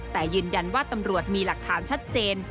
แต่ยืนยันว่าตำรวจมีหลักฐานชัดเจน